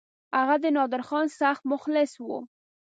هغه د نادرخان سخت مخلص وو.